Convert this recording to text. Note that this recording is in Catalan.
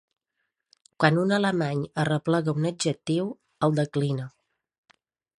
Quan un alemany arreplega un adjectiu, el declina.